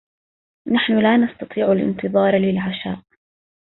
نحن لا نستطيع الإنتظار للعشاء.